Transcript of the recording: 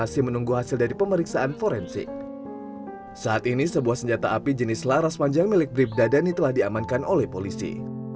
saat ini sebuah senjata api jenis laras panjang milik bribda dhani telah diamankan oleh polisi